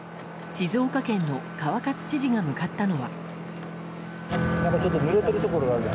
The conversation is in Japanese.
静岡県の川勝知事が向かったのは。